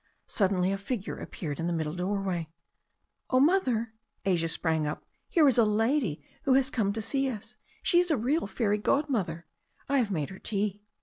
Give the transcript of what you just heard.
Suddenly a figure appeared in the middle doorway. "Oh, Mother?" Asia sprang up. "Here is a lady who has come to see us. She is a real fairy godmother. I have made her tea."